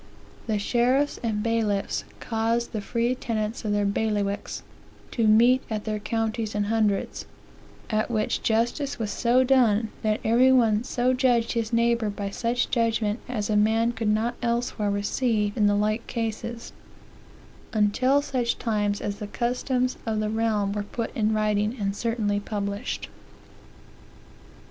"The sheriff's and bailiffs caused the free tenants of their bailiwics to meet at their counties and hundreds; at which justice was so done, that every one so judged his neighbor by such judgment as a man could not elsewhere receive in the like cases, until such times as the customs of the realm were put in writing, and certainly published.